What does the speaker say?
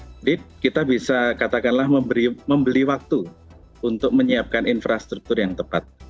jadi kita bisa katakanlah membeli waktu untuk menyiapkan infrastruktur yang tepat